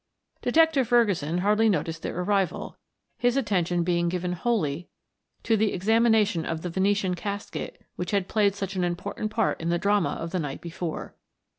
Detective Ferguson hardly noted their arrival, his attention being given wholly to the examination of the Venetian casket which had played such an important part in the drama of the night before.